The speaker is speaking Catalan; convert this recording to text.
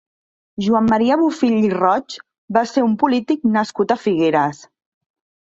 Joan Maria Bofill i Roig va ser un polític nascut a Figueres.